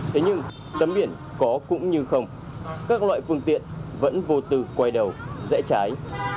thế nhưng tấm biển có cũng như không các loại phương tiện vẫn vô tư quay đầu rẽ trái